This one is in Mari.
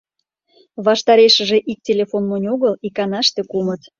Ваштарешыже ик телефон монь огыл — иканаште кумыт.